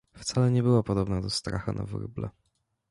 Wcale nie była podobna do stracha na wróble.